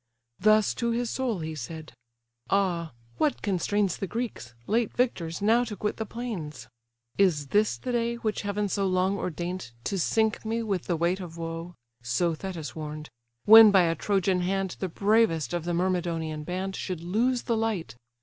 Thus to his soul he said: "Ah! what constrains The Greeks, late victors, now to quit the plains? Is this the day, which heaven so long ago Ordain'd, to sink me with the weight of woe? (So Thetis warn'd;) when by a Trojan hand The bravest of the Myrmidonian band Should lose the light!